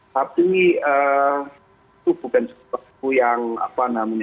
tapi itu bukan suatu yang apa namanya ya